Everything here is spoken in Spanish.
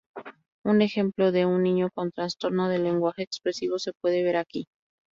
Un ejemplo de un niño con trastorno del lenguaje expresivo se puede ver aquí.